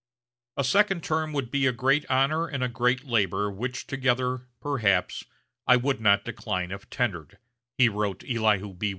"A second term would be a great honor and a great labor, which together, perhaps, I would not decline if tendered," he wrote Elihu B.